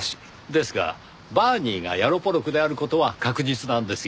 ですがバーニーがヤロポロクである事は確実なんですよ。